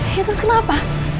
ya terus kenapa